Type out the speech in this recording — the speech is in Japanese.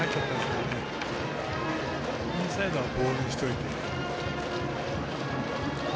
インサイドはボールにしといて。